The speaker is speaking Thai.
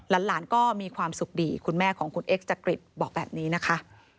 หลานก็มีความสุขดีคุณแม่ของคุณเอ็กจักริตบอกแบบนี้นะคะ